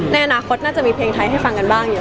ในอนาคตน่าจะมีเพลงไทยให้ฟังกันบ้างอยู่